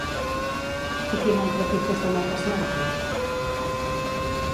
I quin altre tipus de metes marca?